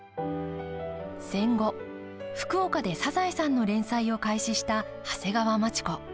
戦後、福岡で「サザエさん」の連載を開始した長谷川町子。